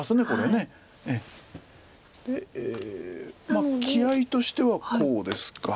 まあ気合いとしてはこうですか。